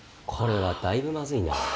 これはだいぶまずいな。